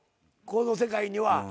この世界には。